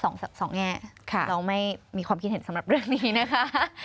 สองแง่ค่ะเราไม่มีความคิดเห็นสำหรับเรื่องนี้นะคะ